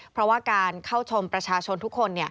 เพราะว่าการเข้าชมประชาชนทุกคน